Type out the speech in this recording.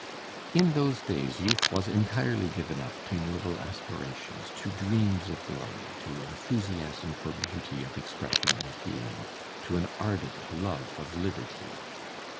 In those days youth was entirely given up to noble aspirations, to dreams of glory, to enthusiasm for beauty of expression and feeling, to an ardent love of liberty.